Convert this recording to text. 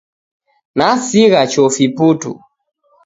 Nasigha chofi putu.